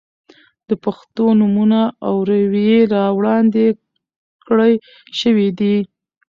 د پښتنو نومونه او روئيې را وړاندې کړے شوې دي.